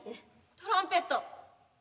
トランペット？